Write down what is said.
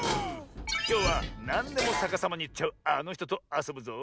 きょうはなんでもさかさまにいっちゃうあのひととあそぶぞ。